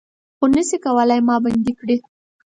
خو نه شئ کولای ما بندۍ کړي